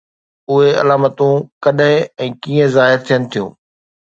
اهي علامتون ڪڏهن ۽ ڪيئن ظاهر ٿين ٿيون؟